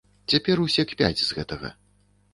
Цяпер усе кпяць з гэтага.